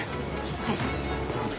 はい。